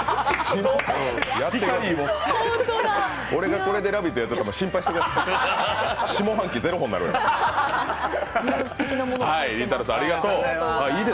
俺がこれで「ラヴィット！」やってたら心配してください。